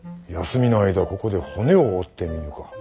休みの間ここで骨を折ってみぬか？